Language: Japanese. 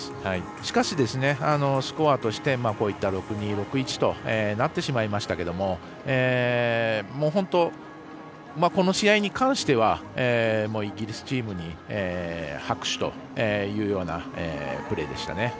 しかし、スコアとしてこういった６−２、６−１となってしまいましたけれども本当、この試合に関してはイギリスチームに拍手というようなプレーでしたね。